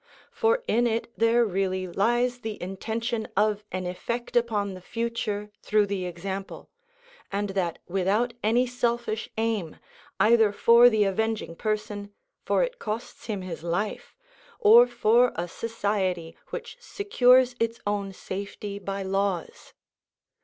For in it there really lies the intention of an effect upon the future through the example, and that without any selfish aim, either for the avenging person, for it costs him his life, or for a society which secures its own safety by laws.